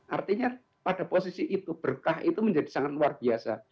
artinya pada posisi itu berkah itu menjadi sangat luar biasa